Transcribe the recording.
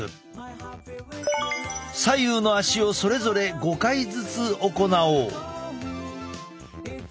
左右の足をそれぞれ５回ずつ行おう。